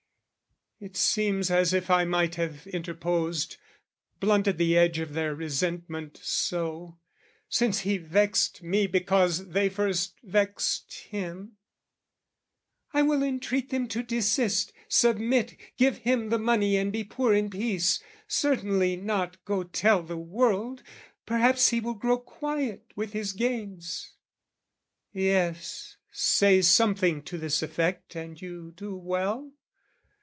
It seems as if I might have interposed, Blunted the edge of their resentment so, Since he vexed me because they first vexed him; "I will entreat them to desist, submit, "Give him the money and be poor in peace, "Certainly not go tell the world: perhaps "He will grow quiet with his gains." Yes, say Something to this effect and you do well!